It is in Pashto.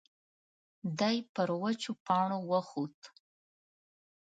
دی پر وچو پاڼو وخوت.